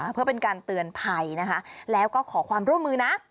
เพื่อเป็นการเตือนภัยนะคะแล้วก็ขอความร่วมมือนะ